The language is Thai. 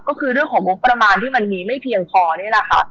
ก็คือเรื่องของงบประมาณที่มันมีไม่เพียงพอนี่แหละค่ะ